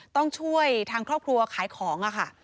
ต้องช่วยทางครอบครัวขายของค่ะ